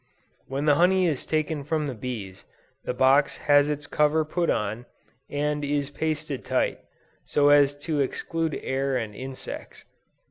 When the honey is taken from the bees, the box has its cover put on, and is pasted tight, so as to exclude air and insects.